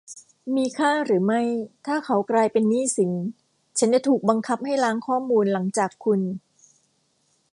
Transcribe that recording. มีค่าหรือไม่ถ้าเขากลายเป็นหนี้สินฉันจะถูกบังคับให้ล้างข้อมูลหลังจากคุณ